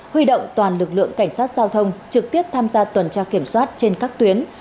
huy động toàn lực lượng cảnh sát giao thông trực tiếp tham gia tuần tra kiểm soát trên các tuyến